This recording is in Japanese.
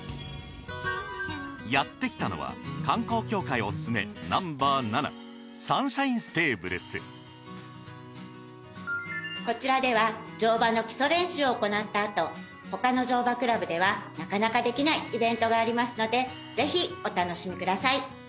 やってきたのはこちらでは乗馬の基礎練習を行ったあと他の乗馬クラブではなかなかできないイベントがありますのでぜひお楽しみください。